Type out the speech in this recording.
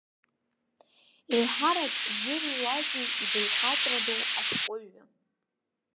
Еиҳарак дзырҩуазеи ибаҩхатәрадоу ашәҟәыҩҩы?